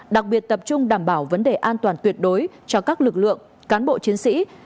đặc biệt tập trung đảm bảo vấn đề an toàn tuyệt đối cho các lực lượng cán bộ chiến sĩ